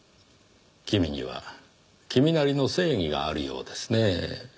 君には君なりの正義があるようですねぇ。